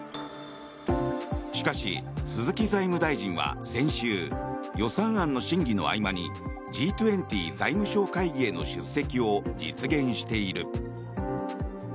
しかし、鈴木財務大臣は先週予算案の審議の合間にＧ２０財務相会議への出席を実現している。